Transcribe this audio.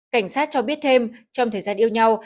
cảnh sát cho biết thêm trong thời gian yêu nhau